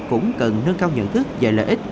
cũng cần nâng cao nhận thức về lợi ích